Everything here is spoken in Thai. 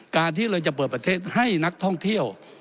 การที่เราจะเปิดประเทศให้นักท่องเที่ยว